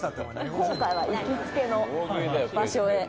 今回は行きつけの場所へ。